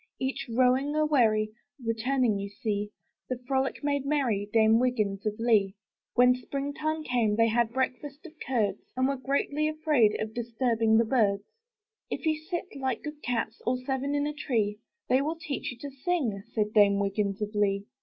Each rowing a wherry, Returning you see: The frolic made merry Dame Wiggins of Lee. When spring time came back, They had breakfast of curds; And were greatly afraid Of disturbing the birds. ''If you sit, like good cats, All seven in a tree, They will teach you to sing!' Said Dame Wiggins of Lee.